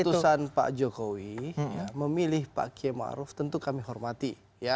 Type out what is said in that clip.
keputusan pak jokowi memilih pak kiai ⁇ maruf ⁇ tentu kami hormati